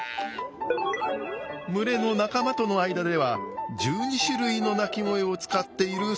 群れの仲間との間では１２種類の鳴き声を使っているそうなんです。